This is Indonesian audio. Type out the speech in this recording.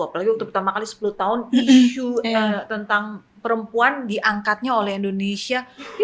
apalagi untuk pertama kali sepuluh tahun isu tentang perempuan diangkatnya oleh indonesia